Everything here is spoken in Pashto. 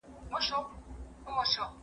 موږ بايد د پرديو په تمه ونه اوسو.